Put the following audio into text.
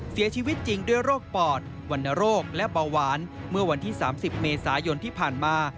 เสียชีวิตจริงด้วยโรคปอดวรรณโรคและเบาหวานเมื่อวันที่๓๐เมษายนที่ผ่านมา